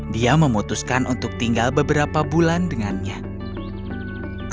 dia memutuskan untuk tinggal beberapa bulan dengan nenek